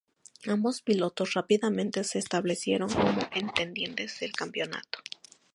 Ambos pilotos rápidamente se establecieron como contendientes del campeonato.